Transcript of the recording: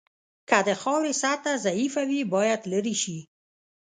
که د خاورې سطحه ضعیفه وي باید لرې شي